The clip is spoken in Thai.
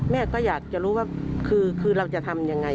แม่ก็อยากจะรู้ว่าคือเราจะทำยังไง